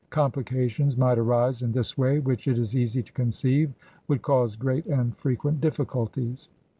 Complications might arise in this way which it is easy to conceive would cause great and frequent difficulties.